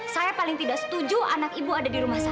saya paling tidak setuju anak ibu ada di rumah saya